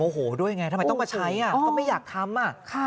โอ้โหด้วยไงทำไมต้องมาใช้ก็ไม่อยากทำ